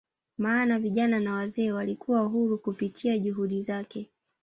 maana vijana na wazee walikuwa huru kupitia juhudi zake